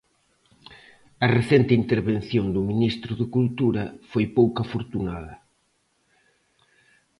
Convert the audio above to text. A recente intervención do ministro de Cultura foi pouco afortunada.